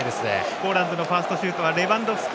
ポーランドのファーストシュートはレバンドフスキ。